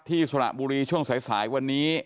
สระบุรีช่วงสายวันนี้